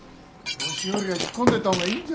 年寄りは引っ込んでた方がいいんじゃねえか。